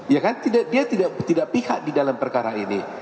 ya kan dia tidak pihak di dalam perkara ini